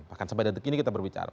bahkan sampai detik ini kita berbicara